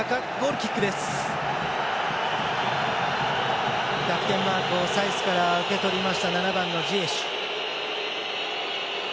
キャプテンマークをサイスから受け取りました、７番のジエシュ。